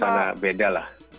pasangan beda lah